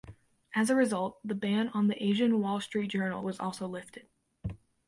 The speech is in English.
As a result, the ban on the "Asian Wall Street Journal" was also lifted.